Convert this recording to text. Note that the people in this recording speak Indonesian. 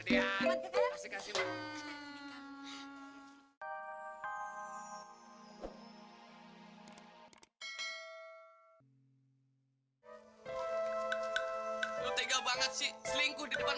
lagian pagi lo kan udah ngasih ela gigi emas